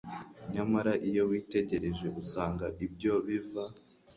nyamara iyo witegereje usanga ibyo biva